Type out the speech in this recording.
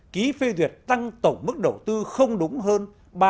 ký phê duyệt tăng tổng mức đầu tư không đúng hơn